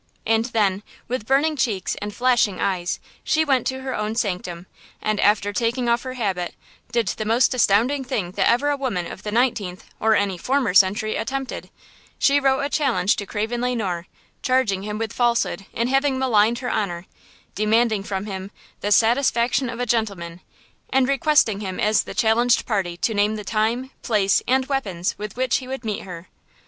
And then, with burning cheeks and flashing eyes, she went to her own sanctum, and after taking off her habit, did the most astounding thing that ever a woman of the nineteenth or any former century attempted–she wrote a challenge to Craven Le Noir–charging him with falsehood in having maligned her honor–demanding from him "the satisfaction of a gentleman," and requesting him as the challenged party to name the time, place and weapons with which he would meet her.